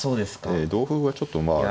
ええ同歩はちょっとまあ。